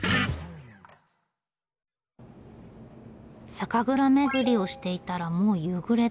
酒蔵巡りをしていたらもう夕暮れ時。